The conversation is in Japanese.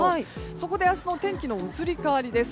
そこで明日の天気の移り変わりです。